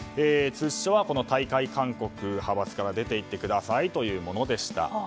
通知書は退会勧告派閥から出て行ってくださいというものでした。